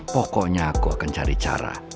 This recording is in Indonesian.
pokoknya aku akan cari cara